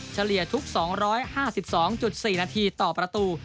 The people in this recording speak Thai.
เฉลี่ยทุก๒๕๒๔นาทีต่อประตู